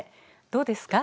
どうですか？